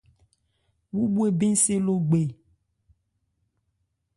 Wu bhwe bɛn se Logbe.